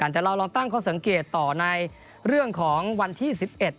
แต่เราลองตั้งข้อสังเกตต่อในเรื่องของวันที่๑๑